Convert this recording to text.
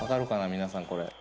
皆さんこれ。